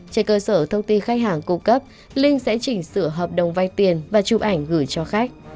trên cơ sở thông tin khách hàng cung cấp linh sẽ chỉnh sửa hợp đồng vay tiền và chụp ảnh gửi cho khách